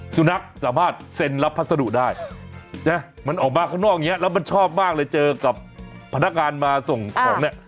สุนัขสามารถเซ็นรับพัสดุได้นะมันออกมาข้างนอกอย่างนี้แล้วมันชอบมากเลยเจอกับพนักงานมาส่งของเนี่ย